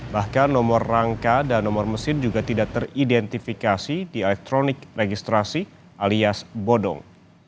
bahkan nomor rangka dan nomor mesin juga tidak teridentifikasi di elektronik registrasi alias bodong